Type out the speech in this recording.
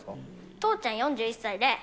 父ちゃん４１歳で。